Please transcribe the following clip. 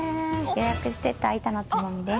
予約してた板野友美です。